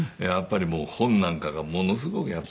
やっぱり本なんかがものすごく。